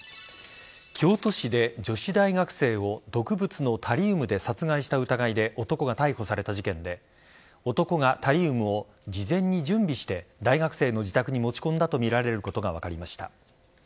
京都市で女子大学生を毒物のタリウムで殺害した疑いで男が逮捕された事件で男がタリウムを事前に準備して大学生の自宅に持ち込んだとみられることが分かりました。